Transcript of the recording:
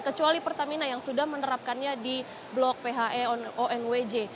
kecuali pertamina yang sudah menerapkannya di blok phe onwj